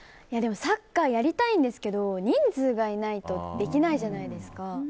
サッカーやりたいんですけど人数がいないとできないじゃないですか。